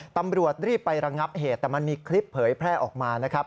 ตำรวจรีบไประงับเหตุแต่มันมีคลิปเผยแพร่ออกมานะครับ